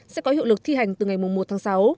sẽ có hiệu lực thi hành từ ngày một tháng sáu